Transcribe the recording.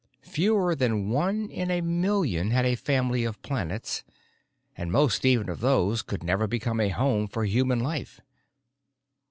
Fewer than one in a million had a family of planets, and most even of those could never become a home for human life.